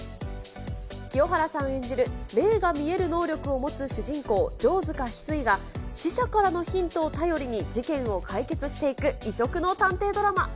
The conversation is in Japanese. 清原さん演じる霊が視える能力を持つ主人公、城塚翡翠が、死者からのヒントを頼りに、事件を解決していく異色の探偵ドラマ。